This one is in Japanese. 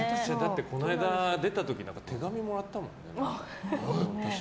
この間、出た時手紙もらったもんね。